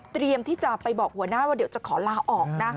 ที่จะไปบอกหัวหน้าว่าเดี๋ยวจะขอลาออกนะ